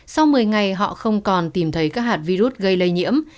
sau một mươi ngày họ không còn tìm thấy các hạt virus gây lây nhiễm